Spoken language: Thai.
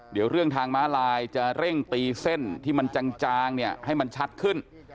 เดี๋ยวเรื่องทางม้าลายจะเร่งตีเส้นที่มันจางเนี่ยให้มันชัดขึ้น